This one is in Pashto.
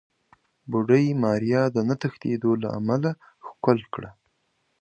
بوډۍ ماريا د نه تښتېدو له امله ښکل کړه.